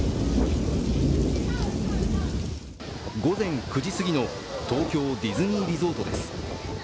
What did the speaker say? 午前９時すぎの東京ディズニーリゾートです。